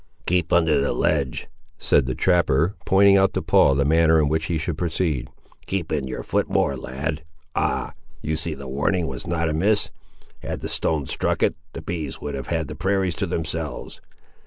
"Keep under the ledge," said the trapper, pointing out to Paul the manner in which he should proceed; "keep in your foot more, lad—ah! you see the warning was not amiss! had the stone struck it, the bees would have had the prairies to themselves.